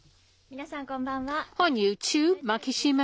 皆さん、こんばんは。